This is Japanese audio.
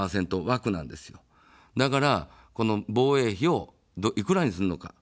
だから、防衛費をいくらにするのか。